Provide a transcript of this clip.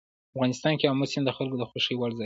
افغانستان کې آمو سیند د خلکو د خوښې وړ ځای دی.